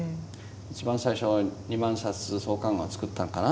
一番最初は２万冊創刊号は作ったのかな。